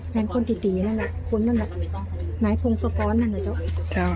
แม่คนดีตีนั่นละนายพรึงโสปอร์อนนั่นหรอเจ้า